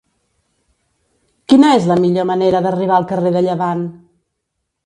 Quina és la millor manera d'arribar al carrer de Llevant?